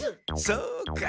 そうか。